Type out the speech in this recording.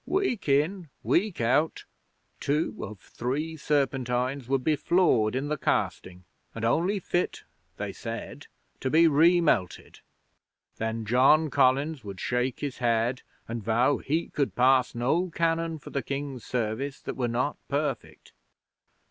Week in, week out, two of three serpentines would be flawed in the casting, and only fit, they said, to be re melted. Then John Collins would shake his head, and vow he could pass no cannon for the King's service that were not perfect.